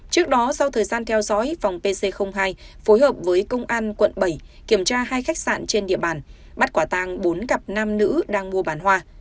trước đó sau thời gian theo dõi phòng pc hai phối hợp với công an quận bảy kiểm tra hai khách sạn trên địa bàn bắt quả tàng bốn cặp nam nữ đang mua bán hoa